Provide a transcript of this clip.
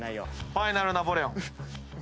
ファイナルナポレオン。